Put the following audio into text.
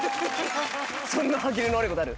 そんな歯切れの悪いことある？